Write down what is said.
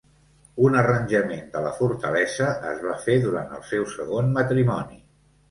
Un arranjament de la fortalesa es va fer durant el seu segon matrimoni.